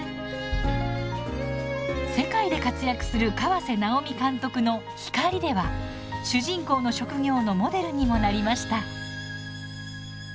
世界で活躍する河直美監督の「光」では主人公の職業のモデルにもなりました。